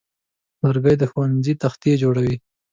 لرګی د ښوونځي تختې جوړوي.